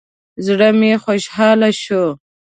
زړه مې خوشحاله شو.